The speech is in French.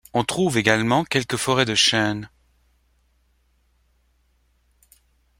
On trouve également quelques forêts de chênes.